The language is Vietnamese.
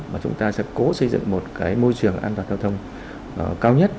mà chúng ta sẽ cố xây dựng một môi trường an toàn giao thông cao nhất